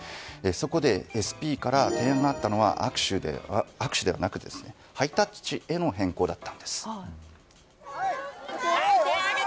そこでＳＰから提案があったのは握手ではなくハイタッチへの変更だったんです。